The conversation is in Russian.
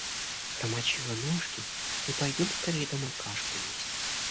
Промочила ножки и пойдем скорее домой кашку есть.